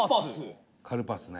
伊達：カルパスね。